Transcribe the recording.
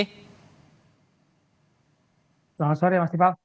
selamat sore mas iqbal